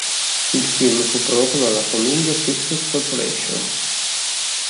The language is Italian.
Il film fu prodotto dalla Columbia Pictures Corporation.